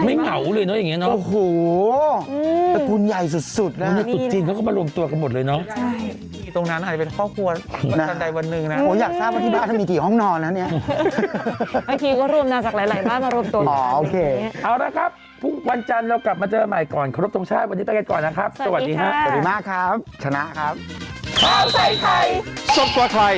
มาเจอใหม่ก่อนครบรับตรงชาติวันนี้ตั้งแต่ก่อนนะครับสวัสดีค่ะสวัสดีมากครับชนะครับ